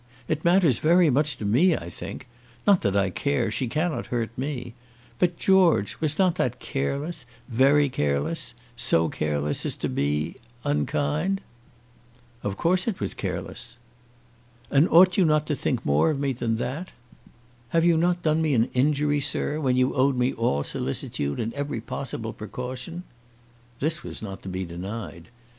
It matters very much to me, I think. Not that I care. She cannot hurt me. But, George, was not that careless very careless; so careless as to be unkind?" "Of course it was careless." "And ought you not to think more of me than that? Have you not done me an injury, sir, when you owed me all solicitude and every possible precaution?" This was not to be denied.